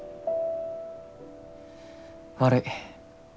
悪い。